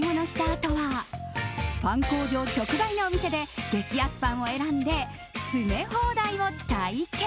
あとはパン工場直売のお店で激安パンを選んで詰め放題を体験。